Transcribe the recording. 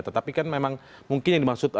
tetapi kan memang mungkin yang dimaksud